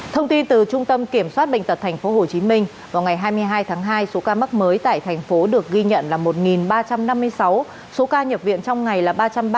thông tin từ trung tâm kiểm soát bệnh tật tp hcm vào ngày hai mươi hai tháng hai số ca mắc mới tại thành phố được ghi nhận là một ba trăm năm mươi sáu số ca nhập viện trong ngày là ba trăm ba mươi chín ca